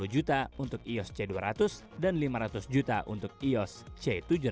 dua puluh juta untuk ios c dua ratus dan lima ratus juta untuk ios c tujuh ratus